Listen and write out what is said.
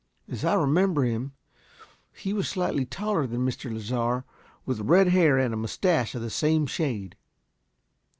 "As I remember him, he was slightly taller than Mr. Lasar, with red hair and a moustache of the same shade."